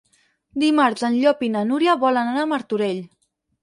Dimarts en Llop i na Núria volen anar a Martorell.